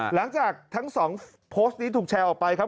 หลังจากทั้งสองโพสต์นี้ถูกแชร์ออกไปครับ